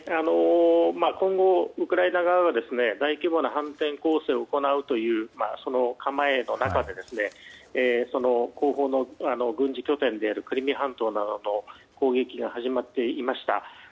今後、ウクライナ側が大規模な反転攻勢を行うという構えの中で後方の軍事拠点であるクリミア半島などの攻撃が始まっていました。